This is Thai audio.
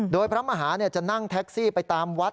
โดยพระมหาจะนั่งแท็กซี่ไปตามวัด